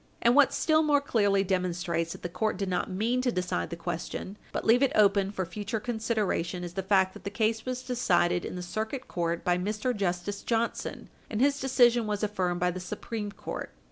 And what still more clearly demonstrates that the court did not mean to decide the question, but leave it open for future consideration, is the fact that the case was decided in the Circuit Court by Mr. Justice Johnson, and his decision was affirmed by the Supreme Court.